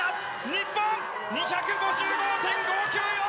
日本、２５５．５９４。